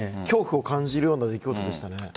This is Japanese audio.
恐怖を感じるような出来事でした。